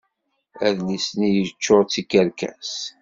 Adlis-nni yeččur d tikerkas.